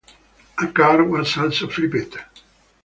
A car was also flipped.